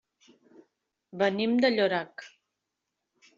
Venim de Llorac.